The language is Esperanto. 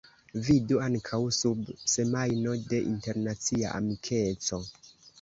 Vidu ankaŭ sub Semajno de Internacia Amikeco.